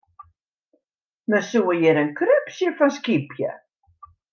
Men soe hjir in krupsje fan skypje.